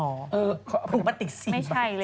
เอาผงปวดอีก๔แค่